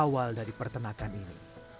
dan berjalan dari pertenakan ini